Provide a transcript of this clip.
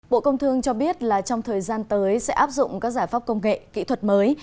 bộ công thương cho biết là trong thời gian tới sẽ áp dụng các giải pháp công nghệ kỹ thuật mới